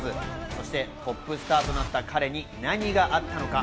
そしてトップスターとなった彼に何があったのか。